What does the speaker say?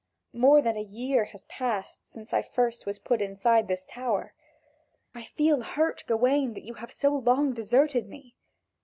more than a year has passed since first I was put inside this tower. I feel hurt, Gawain, that you have so long deserted me!